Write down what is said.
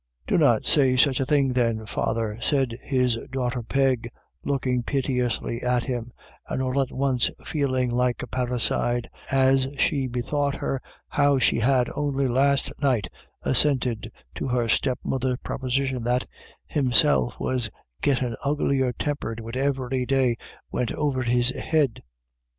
" Dunnot say such a thing, then, father," said his daughter Peg, looking piteously at him, and all at once feeling like a parricide, as she bethought her how she had only last night assented to her step mother's proposition that: Himself was gittin* uglier tempered wid ivery day wint over his head.